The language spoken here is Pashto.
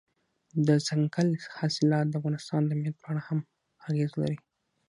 دځنګل حاصلات د افغانستان د امنیت په اړه هم اغېز لري.